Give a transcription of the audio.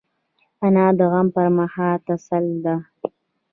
انا د غم پر مهال تسل ده